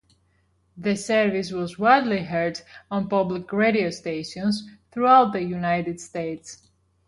The service was widely heard on public radio stations throughout the United States.